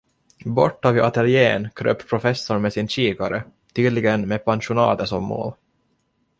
Borta vid ateljén kröp professorn med sin kikare, tydligen med pensionatet som mål.